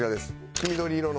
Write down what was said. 黄緑色の。